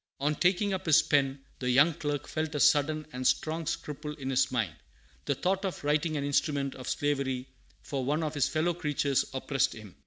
"] On taking up his pen, the young clerk felt a sudden and strong scruple in his mind. The thought of writing an instrument of slavery for one of his fellow creatures oppressed him.